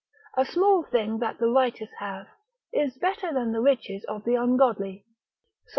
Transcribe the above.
A small thing that the righteous hath, is better than the riches of the ungodly, Psal.